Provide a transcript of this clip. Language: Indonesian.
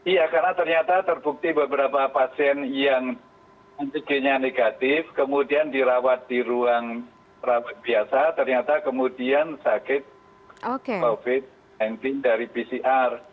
iya karena ternyata terbukti beberapa pasien yang antigennya negatif kemudian dirawat di ruang rawat biasa ternyata kemudian sakit covid sembilan belas dari pcr